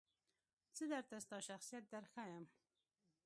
زه درته ستا شخصیت درښایم .